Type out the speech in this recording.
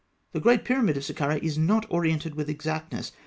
The great pyramid of Sakkarah is not oriented with exactness.